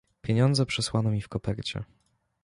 "Pieniądze przysłano mi w kopercie."